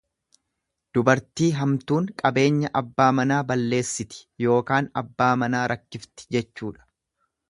Dubartii hamtuun qabeenya abbaa manaa balleessiti ykn abbaa manaa rakkifti jechuudha.